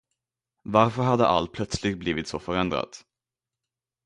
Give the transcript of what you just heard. Varför hade allt plötsligt blivit så förändrat.